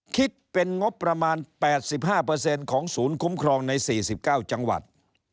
คิดเป็นงบประมาณ๘๕ของศูนย์คุ้มครองใน๔๙จังหวัด